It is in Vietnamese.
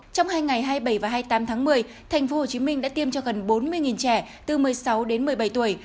trong hai ngày hai mươi bảy và hai mươi tám tháng một mươi tp hcm đã tiêm cho gần bốn mươi trẻ từ một mươi sáu đến một mươi bảy tuổi